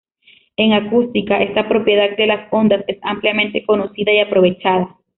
En acústica esta propiedad de las ondas es ampliamente conocida y aprovechada.